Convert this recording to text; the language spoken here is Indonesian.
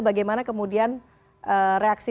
bagaimana kemudian reaksi